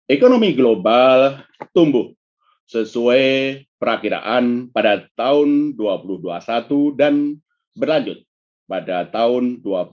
ekonomi global tumbuh sesuai perakiraan pada tahun dua ribu dua puluh satu dan berlanjut pada tahun dua ribu dua puluh